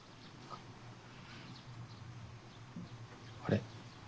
あれ？